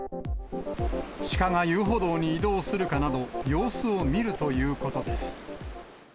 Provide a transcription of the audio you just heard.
鹿が遊歩道に移動するかなど、様子を見るということです。